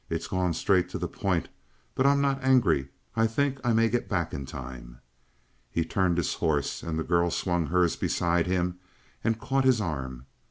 "It's gone straight to the point. But I'm not angry. I think I may get back in time." He turned his horse, and the girl swung hers beside him and caught his arm.